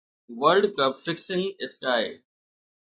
world cup fixing sky